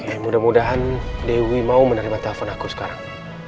ya mudah mudahan dewi mau menerima telepon aku sekarang